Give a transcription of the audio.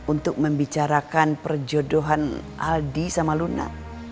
untuk membicarakan perjodohan aldi sama luna